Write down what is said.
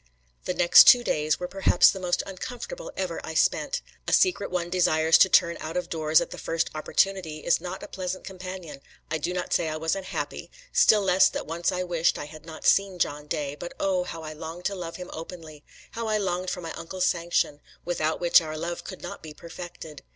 The next two days were perhaps the most uncomfortable ever I spent. A secret one desires to turn out of doors at the first opportunity, is not a pleasant companion. I do not say I was unhappy, still less that once I wished I had not seen John Day, but oh, how I longed to love him openly! how I longed for my uncle's sanction, without which our love could not be perfected!